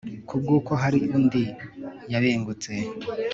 ku bw'uko hari undi yabengutse